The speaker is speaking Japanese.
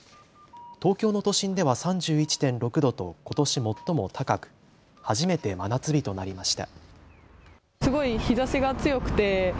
東京の都心では３１．６度とことし最も高く初めて真夏日となりました。